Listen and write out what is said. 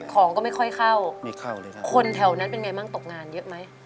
ของก็ไม่ค่อยเข้าคนแถวนั้นเป็นไงบ้างตกงานเยอะไหม